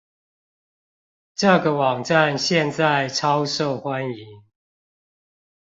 這個網站現在超受歡迎